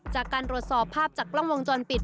จากการตรวจสอบภาพจากกล้องวงจรปิด